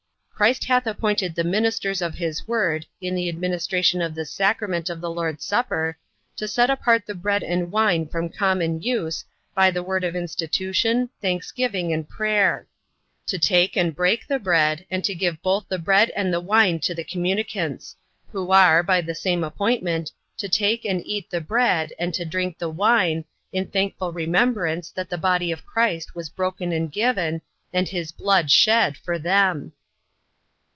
Christ hath appointed the ministers of his word, in the administration of this sacrament of the Lord's supper, to set apart the bread and wine from common use, by the word of institution, thanksgiving, and prayer; to take and break the bread, and to give both the bread and the wine to the communicants: who are, by the same appointment, to take and eat the bread, and to drink the wine, in thankful remembrance that the body of Christ was broken and given, and his blood shed, for them.